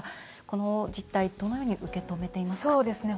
この実態、どのように受け止めていますか？